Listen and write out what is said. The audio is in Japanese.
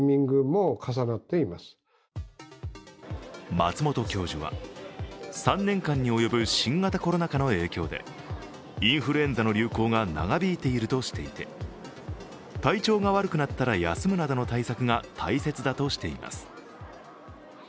松本教授は３年間に及ぶ新型コロナ禍の影響でインフルエンザの流行が長引いているとしていて体調が悪くなったら休むなどの対策が大切だとしています。